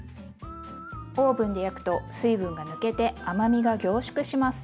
オーブンで焼くと水分が抜けて甘みが凝縮します。